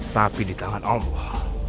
tapi di tangan allah